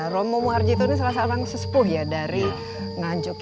romo muharjito ini salah satu abang sespuh ya dari ngajuk